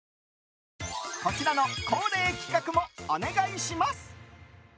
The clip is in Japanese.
こちらの恒例企画もお願いします！